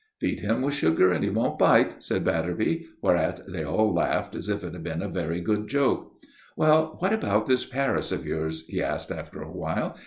"Feed him with sugar and he won't bite," said Batterby; whereat they all laughed, as if it had been a very good joke. "Well, what about this Paris of yours?" he asked, after a while.